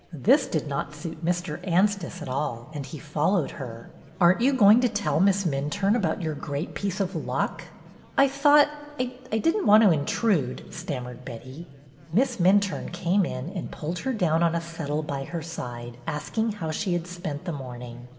This did not suit Mr. Anstice at all, and he followed her. Are n't you going to tell Miss Minturne about your great piece of luck ?"'' I thought — I did n't want to intrude —" stammered Betty. Miss Minturne came in and pulled her down on a settle by her side, asking how she had spent the morning.